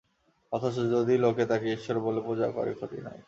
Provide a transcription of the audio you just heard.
অথচ যদি লোকে তাঁকে ঈশ্বর বলে পূজা করে, ক্ষতি নাই।